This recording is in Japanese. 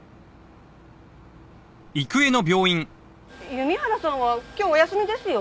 弓原さんは今日お休みですよ。